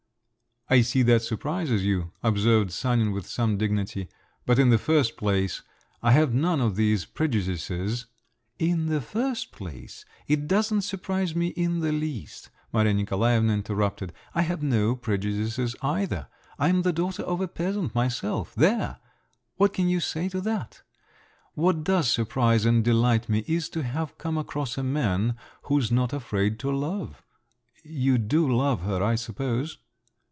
"I see that surprises you," observed Sanin with some dignity; "but in the first place, I have none of these prejudices …" "In the first place, it doesn't surprise me in the least," Maria Nikolaevna interrupted; "I have no prejudices either. I'm the daughter of a peasant myself. There! what can you say to that? What does surprise and delight me is to have come across a man who's not afraid to love. You do love her, I suppose?"